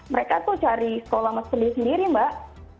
mereka tuh cari sekolah sendiri sendiri mbak